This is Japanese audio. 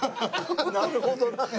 なるほどな。